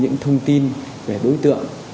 những thông tin về đối tượng